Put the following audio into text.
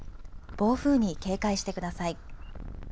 暴風に警戒してください。